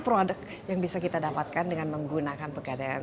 produk yang bisa kita dapatkan dengan menggunakan pegadaian